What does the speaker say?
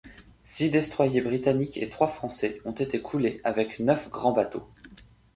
Six destroyers britanniques et trois français ont été coulés, avec neuf grands bateaux.